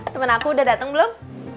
temen aku udah datang belum